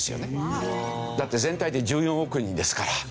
だって全体で１４億人ですから。